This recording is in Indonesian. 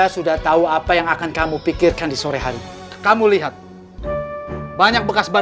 nah itu misalnya country piece where in merah namanya berto mah